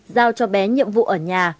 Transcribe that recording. giao cho bé nhiệm vụ ở nhà